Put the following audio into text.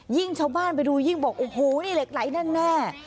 ชาวบ้านไปดูยิ่งบอกโอ้โหนี่เหล็กไหลแน่